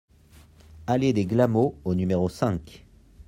Allée des Glamots au numéro cinq